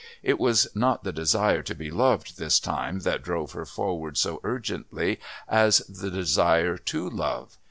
It was not the desire to be loved, this time, that drove her forward so urgently as the desire to love.